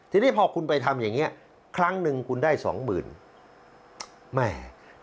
ทีนี้พอคุณไปทำอย่างนี้ครั้งหนึ่งคุณได้๒๐๐๐๐บาท